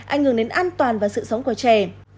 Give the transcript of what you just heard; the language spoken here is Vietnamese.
ảnh hưởng đến an toàn và sự sống của trẻ